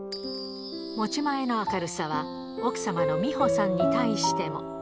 持ち前の明るさは奥様の美保さんに対しても。